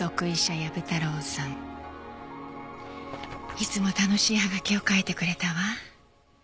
いつも楽しいはがきを書いてくれたわ。